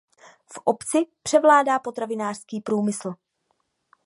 V obci převládá potravinářský průmysl.